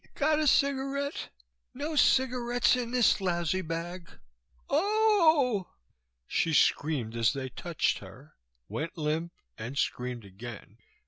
"Got a cigarette? No cigarettes in this lousy bag oh." She screamed as they touched her, went limp and screamed again.